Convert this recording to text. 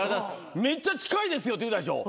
めっちゃ近いですよって言うたでしょ。